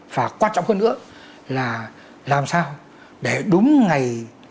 và quan trọng hơn nữa là làm sao để đúng ngày